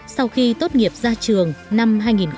sau khi tốt nghiệp ra trường năm hai nghìn tám